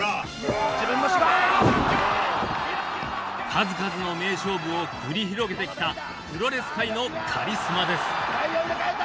数々の名勝負を繰り広げてきたプロレス界のカリスマです。